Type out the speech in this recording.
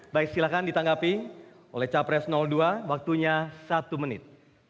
baik silakan ditanggapi oleh capres dua waktunya satu menit